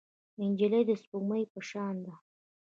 نجلۍ د سپوږمۍ په شان ده.